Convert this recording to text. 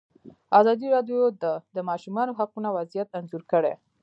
ازادي راډیو د د ماشومانو حقونه وضعیت انځور کړی.